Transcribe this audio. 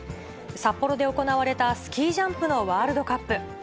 札幌で行われたスキージャンプのワールドカップ。